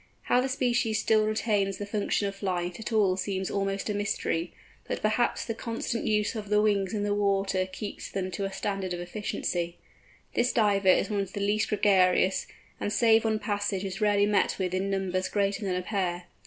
How the species still retains the function of flight at all seems almost a mystery, but perhaps the constant use of the wings in the water keeps them to a standard of efficiency. This Diver is one of the least gregarious, and save on passage is rarely met with in numbers greater than a pair.